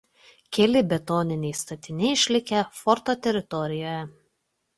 Keli betoniniai statiniai išlikę forto teritorijoje.